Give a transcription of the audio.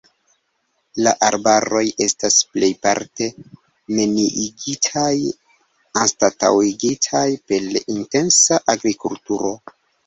La arbaroj estas plejparte neniigitaj, anstataŭigitaj per intensa agrikulturo.